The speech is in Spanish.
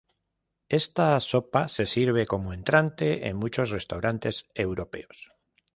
Esta sopa se sirve como entrante en muchos restaurantes europeos.